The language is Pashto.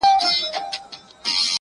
o چي مور ميره سي، پلار پلندر سي!